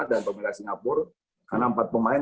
dan pemerintah singapura karena empat pemain